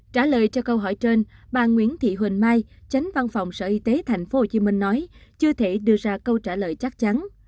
trả lời cho câu hỏi trên bà nguyễn thị huỳnh mai chánh văn phòng sở y tế thành phố hồ chí minh nói chưa thể đưa ra câu trả lời chắc chắn